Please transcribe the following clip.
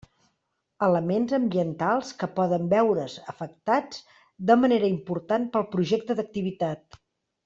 Elements ambientals que poden veure's afectats de manera important pel projecte d'activitat.